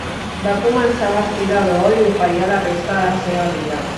Va començar a vestir de dol i ho faria la resta de la seva vida.